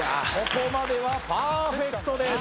ここまではパーフェクトです